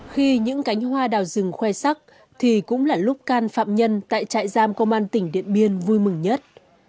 khi những cánh hoa đào rừng khoe sắc thì cũng là lúc can phạm nhân tại trại giam công an tỉnh điện biên vui mừng nhất